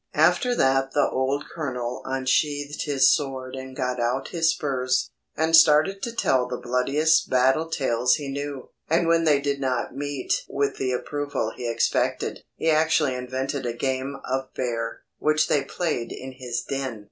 After that the old Colonel unsheathed his sword and got out his spurs, and started to tell the bloodiest battle tales he knew, and when they did not meet with the approval he expected, he actually invented a game of bear, which they played in his den.